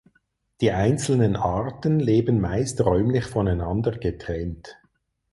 Die einzelnen Arten leben meist räumlich voneinander getrennt.